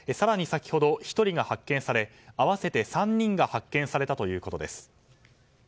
先ほど１人が発見され合わせて３人が発見されたということです。